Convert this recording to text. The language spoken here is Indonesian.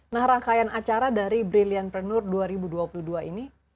nah rangkaian acara dari brilliantpreneur dua ribu dua puluh dua ini